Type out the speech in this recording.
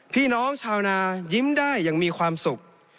พี่น้องชาวนายิ้มได้อย่างมีความสุข